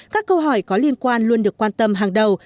các câu hỏi có liên quan luôn được quan tâm hàng đầu